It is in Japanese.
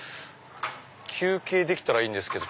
休憩できたらいいんですけど。